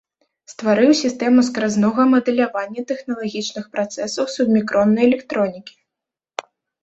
Стварыў сістэму скразнога мадэлявання тэхналагічных працэсаў субмікроннай электронікі.